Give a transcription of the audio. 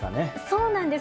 そうなんです。